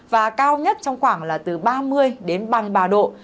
và cao nhất trong khoảng là từ ba mươi đến ba mươi ba độ